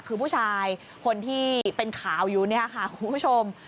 คือผู้ชายคนที่เป็นข่าวอยู่เนี่ยค่ะคุณผู้ชม